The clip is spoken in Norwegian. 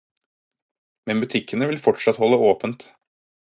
Men butikkene vil fortsatt holde åpent.